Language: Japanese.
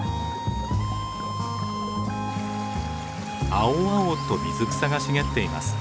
青々と水草が茂っています。